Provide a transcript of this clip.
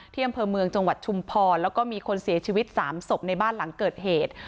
อำเภอเมืองจังหวัดชุมพรแล้วก็มีคนเสียชีวิต๓ศพในบ้านหลังเกิดเหตุ